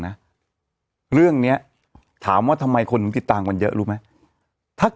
นะเรื่องเนี้ยถามว่าทำไมคนถึงติดตามกันเยอะรู้ไหมถ้า